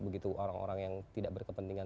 begitu orang orang yang tidak berkepentingan